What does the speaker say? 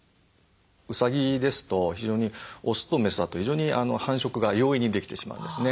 うさぎですと非常にオスとメスだと非常に繁殖が容易にできてしまうんですね。